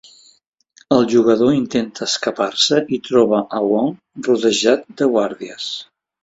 El jugador intenta escapar-se i troba a Wong rodejat de guàrdies.